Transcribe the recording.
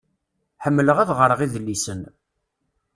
Ḥemleɣ ad ɣreɣ idlisen.